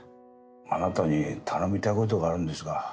あなたに頼みたいことがあるんですが。